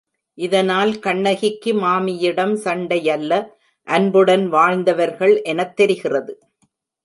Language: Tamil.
இதனால் கண்ணகிக்கு மாமியிடம் சண்டையல்ல அன்புடன் வாழ்ந்தவர்கள் எனத் தெரிகிறது.